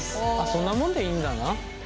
そんなもんでいいんだな。